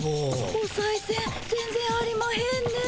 おさいせん全然ありまへんね。